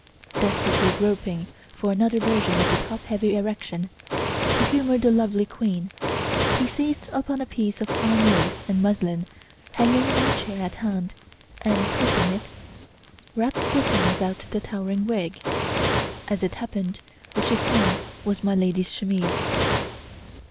Desperately groping for another version of the top heavy erection, to humour the lovely queen, he seized upon a piece of fine lace and muslin hanging on a chair at hand, and twisting it, wrapped the thing about the towering wig. As it happened, the chiffon was my lady's chemise!